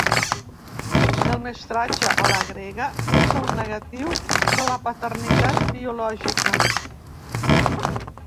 El mestratge a la grega és el negatiu de la paternitat biològica.